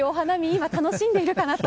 今、楽しんでいるかなと。